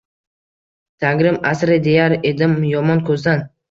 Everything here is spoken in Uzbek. Tangrim, asra deyar edim yomon ko‘zdan